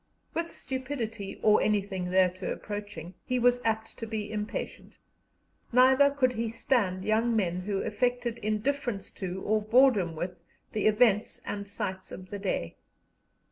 With stupidity, or anything thereto approaching, he was apt to be impatient; neither could he stand young men who affected indifference to, or boredom with, the events and sights of the day.